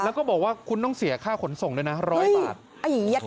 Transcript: แล้วก็บอกว่าคุณต้องเสียค่าขนส่งด้วยนะ๑๐๐บาท